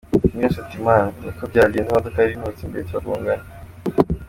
King james ati: “Man, niko byagenze, imodoka yari inturutse imbere, turagongana.